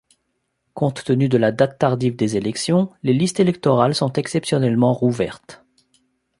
Compte tenu de la date tardive des élections, les listes électorales sont exceptionnellement rouvertes.